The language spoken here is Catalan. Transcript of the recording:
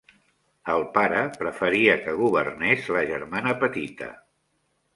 El pare preferia que governés la germana petita.